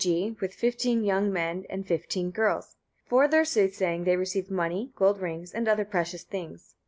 g. with fifteen young men and fifteen girls. For their soothsaying they received money, gold rings, and other precious things.